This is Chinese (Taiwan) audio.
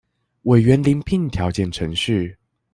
委員遴聘條件程序